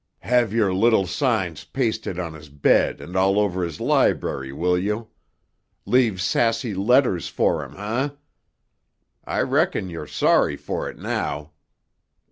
Have your little signs pasted on his bed and all over his library, will you? Leave sassy letters for him, eh? I reckon you're sorry for it now!"